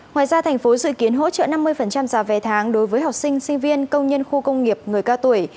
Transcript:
ngoài ra thành phố dự kiến hỗ trợ năm mươi giá vé tháng đối với học sinh sinh viên công nhân khu công nghiệp người cao tuổi